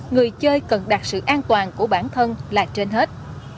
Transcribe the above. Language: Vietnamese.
người chơi cần đặt sự an toàn của bản thân là trên hết